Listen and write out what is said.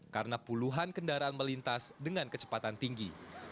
karena puluhan kendaraan melintas dengan kecepatan tinggi